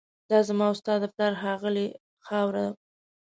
دا زما او ستا د پلار ښاغلې خاوره